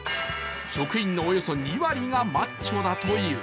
職員のおよそ２割がマッチョだという。